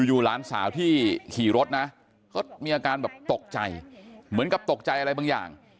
อยู่หลานสาวที่ขี่รถนะก็มีอาการแบบตกใจเหมือนกับตกใจอะไรบางอย่าง